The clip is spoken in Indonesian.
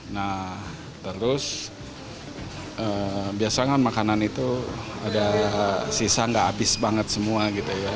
nah terus biasanya kan makanan itu ada sisa gak habis banget semua gitu ya